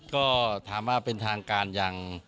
ก็ถามว่าเป็นทางการยัง